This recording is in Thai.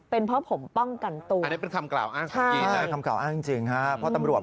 เป็นเพราะผมป้องกันตัว